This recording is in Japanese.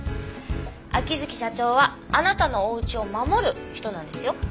秋月社長は「あなたのおうちを守る」人なんですよ。